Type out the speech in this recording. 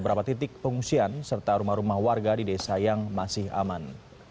beberapa titik pengungsian serta rumah rumah warga di desa yang masih aman